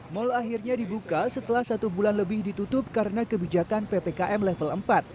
mal akhirnya dibuka setelah satu bulan lebih ditutup karena kebijakan ppkm level empat